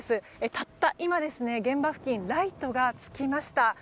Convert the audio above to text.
たった今、現場付近ライトがつきました。